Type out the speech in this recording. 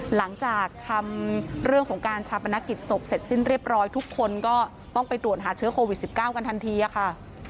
หลังจากทำเรื่องของการชาปนกิจศพเสร็จสิ้นเรียบร้อยทุกคนก็ต้องไปตรวจหาเชื้อโควิด๑๙กันทันทีค่ะ